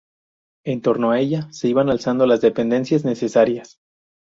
En torno a ella se iban alzando las dependencias necesarias.